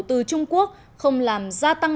từ trung quốc không làm gia tăng